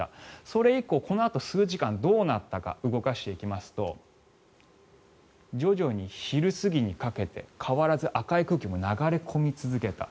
それ以降、このあと数時間どうなったか動かしていきますと徐々に昼過ぎにかけて変わらず赤い空気も流れ込み続けた。